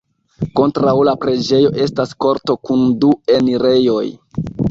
Kontraŭ la preĝejo estas korto kun du enirejoj.